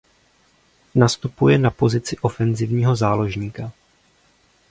Nastupuje na pozici ofenzivního záložníka.